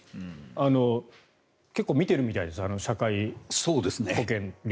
結構、見てるみたいですよ社会保険料。